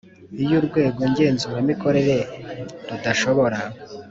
Iyo Urwego Ngenzuramikorere rudashobora